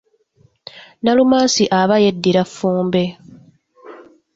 Nalumansi aba yeddira Ffumbe.